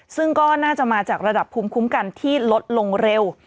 ซึ่งก็น่าจะมาจากระดับภูมิคุ้มกันที่ลดลงเร็ว